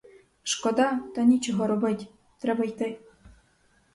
Шкода, та нічого робить: треба йти.